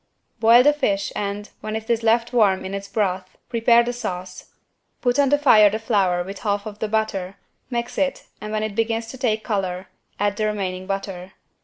Boil the fish and, when it is left warm in its broth, prepare the sauce. Put on the fire the flour with half of the butter, mix it and when it begins to take color, add the remaining butter.